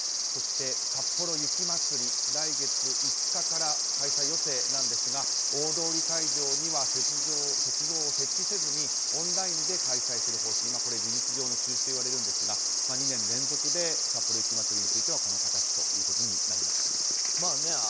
そして、さっぽろ雪まつり来月５日から開催予定なんですが大通会場には雪像を設置せずにオンラインで開催する方針事実上の中止と言われるんですが２年連続でさっぽろ雪まつりについてはこの形になりました。